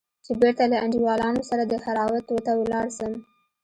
چې بېرته له انډيوالانو سره دهراوت ته ولاړ سم.